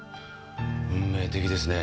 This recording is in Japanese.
運命的ですね。